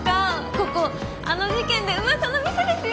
ここあの事件でうわさの店ですよ。